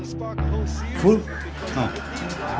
gue usirin yeh lo tenang aja